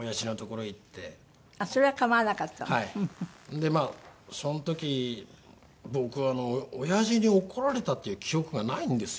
でまあその時僕はあのおやじに怒られたっていう記憶がないんですよ。